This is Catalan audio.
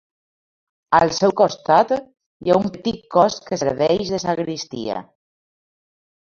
Al seu costat hi ha un petit cos que serveix de sagristia.